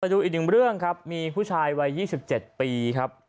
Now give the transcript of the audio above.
ดูอีกหนึ่งเรื่องครับมีผู้ชายวัย๒๗ปีครับ